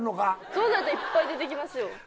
そんなんやったらいっぱい出てきますよ。